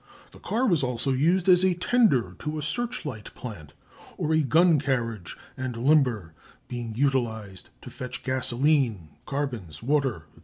The car was also used as a tender to a searchlight plant, on a gun carriage and limber, being utilised to fetch gasolene, carbons, water, &c.